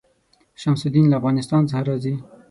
شمس الدین له افغانستان څخه راځي.